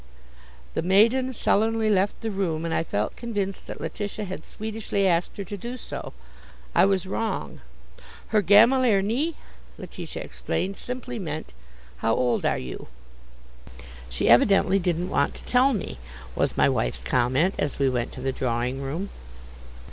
The maiden sullenly left the room, and I felt convinced that Letitia had Swedishly asked her to do so. I was wrong. "Hur gammal är ni," Letitia explained, simply meant, "How old are you?" "She evidently didn't want to tell me," was my wife's comment, as we went to the drawing room.